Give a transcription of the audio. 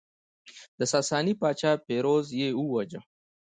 د ساساني پاچا پیروز یې وواژه